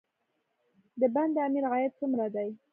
د بند امیر عاید څومره دی؟